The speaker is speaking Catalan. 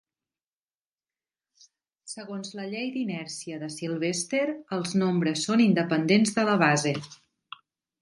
Segons la llei d'inèrcia de Sylvester, els nombres són independents de la base.